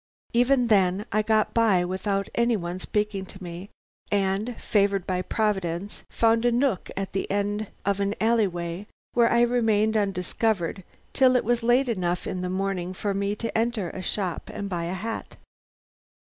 Even then I got by without any one speaking to me, and, favored by Providence, found a nook at the end of an alley way, where I remained undiscovered till it was late enough in the morning for me to enter a shop and buy a hat.